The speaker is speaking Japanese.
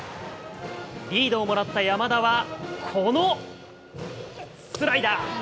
リードをもらった山田は、このスライダー。